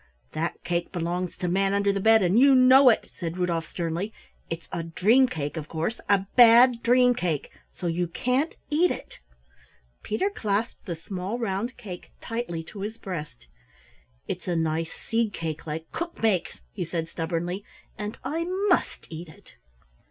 "That cake belongs to Manunderthebed, and you know it," said Rudolf sternly. "It's a dream cake, of course, a Bad dream cake, so you can't eat it." Peter clasped the small round cake tightly to his breast. "It's a nice seed cake like Cook makes," he said stubbornly, "and I must eat it."